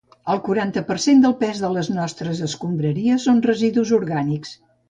El quaranta per cent del pes de les nostres escombraries són residus orgànics.